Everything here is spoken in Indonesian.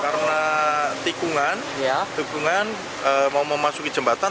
karena tikungan tikungan mau memasuki jembatan